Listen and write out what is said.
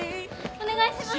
お願いします！